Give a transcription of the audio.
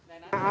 ở dưới đó